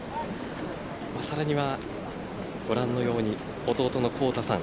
さらにはご覧のように弟の光太さん。